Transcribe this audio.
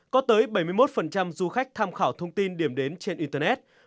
có tới bảy mươi một du khách tham khảo thông tin điểm đến trên internet